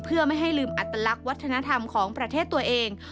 เพื่อไม่ให้ลืมอัตลักษณ์วัฒนธรรมของประเทศตัวเอง